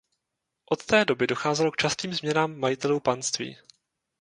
Od té doby docházelo k častým změnám majitelů panství.